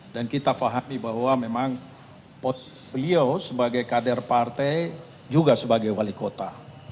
dan kita pahami bahwa memang beliau sebagai kader partai juga sebagai wali kota